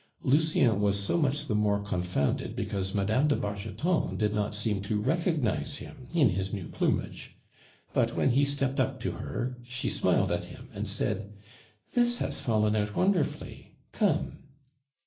Lucien was so much the more confounded because Mme. de Bargeton did not seem to recognize him in his new plumage; but when he stepped up to her, she smiled at him and said: "This has fallen out wonderfully come!"